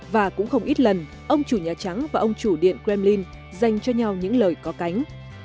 và cũng không ít lần ông chủ nhà trắng và ông chủ điện kremlin dành cho nhau những lời có cánh